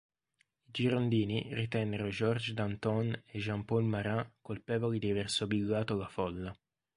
I girondini ritennero Georges Danton e Jean-Paul Marat colpevoli di aver sobillato la folla.